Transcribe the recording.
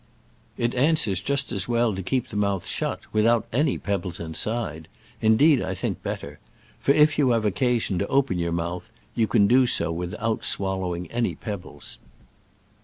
It answers just as well to keep the mouth shut, without any peb bles inside — indeed, I think, better ; for if you have occasion to open your mouth you can do so without swallowing any pebbles.